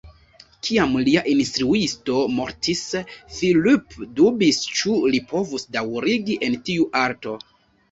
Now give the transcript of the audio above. Kiam lia instruisto mortis, Phillip dubis ĉu li povus daŭrigi en tiu arto.